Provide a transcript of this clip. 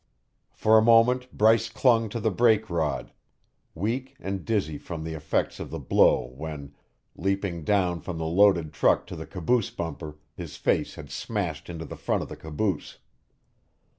For a moment Bryce clung to the brake rod, weak and dizzy from the effects of the blow when, leaping down from the loaded truck to the caboose bumper, his face had smashed into the front of the caboose.